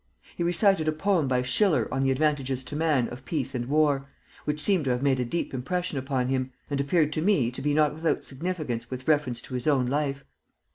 He recited a poem by Schiller on the advantages to man of peace and war, which seemed to have made a deep impression upon him, and appeared to me to be not without significance with reference to his own life.